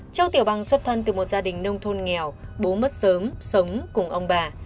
châu tiểu bằng xuất thân từ một gia đình nông thôn nghèo bố mất sớm sống cùng ông bà